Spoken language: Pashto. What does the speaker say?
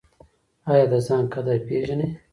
ایا د ځان قدر پیژنئ؟